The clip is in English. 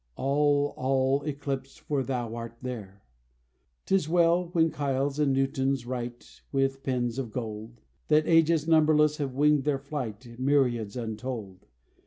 All, all eclipsed for thou art there. 'Tis well, when Keills and Newtons write With pens of gold; That ages numberless have winged their flight, Myriads untold!